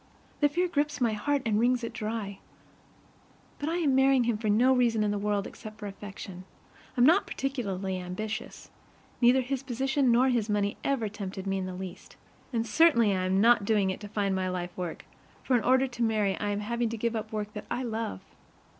The fear grips my heart and wrings it dry. But I am marrying him for no reason in the world except affection. I'm not particularly ambitious. Neither his position nor his money ever tempted me in the least. And certainly I am not doing it to find my life work, for in order to marry I am having to give up the work that I love.